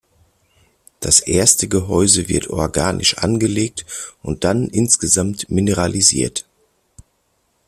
Das erste Gehäuse wird organisch angelegt und dann insgesamt mineralisiert.